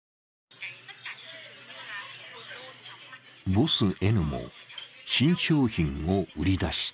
ボスＮも新商品を売り出した。